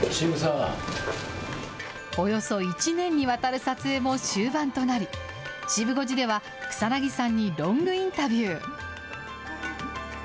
およそ１年にわたる撮影も終盤となり、シブ５時では、草なぎさんにロングインタビュー。